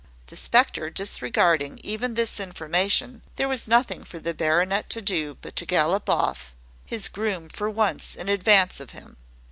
The spectre disregarding even this information, there was nothing for the baronet to do but to gallop off his groom for once in advance of him.